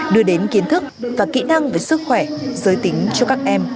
đưa đến kiến thức và kỹ năng về sức khỏe giới tính cho các em